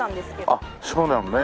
あっそうだよね。